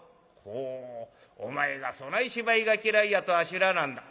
「おおお前がそない芝居が嫌いやとは知らなんだ。